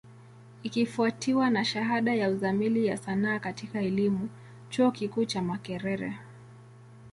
Ikifwatiwa na shahada ya Uzamili ya Sanaa katika elimu, chuo kikuu cha Makerere.